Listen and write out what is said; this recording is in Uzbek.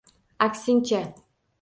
Aksincha!